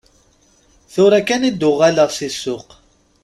Tura kan i d-uɣaleɣ si ssuq.